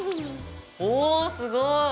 おおすごい！